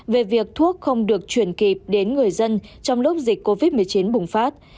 về việc thuốc không được chuyển kịp đến người dân trong lúc dịch covid một mươi chín bùng phát